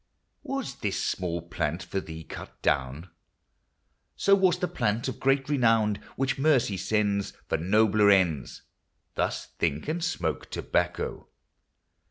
Was this small plant for thee cut down? So was the plant of great renown, Which Mercy sends For nobler ends. Thus think, and smoke tobacco.